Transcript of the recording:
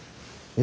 え。